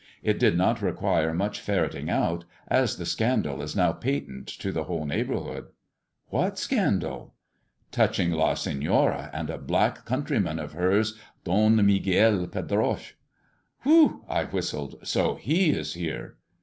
It did not require much ferreting out, as the scandal is now patent to the whole neighbourhood." " What scandal 1 "" Touching La Senora and a black countryman of hers, Don Miguel Pedroche." " Whew !" I whistled, " so he is here."